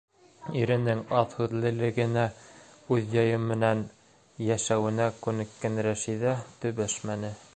Иренең аҙ һүҙлелегенә, үҙ яйы менән йәшәүенә күнеккән Рәшиҙә төбәшмәне.